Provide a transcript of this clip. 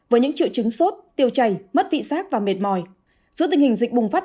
với những triệu chứng sốt tiêu chảy mất vị giác và mệt mỏi giữa tình hình dịch bùng phát